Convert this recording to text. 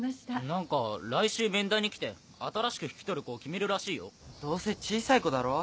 ・何か来週面談に来て新しく引き取る子を決めるらしいよ・どうせ小さい子だろ？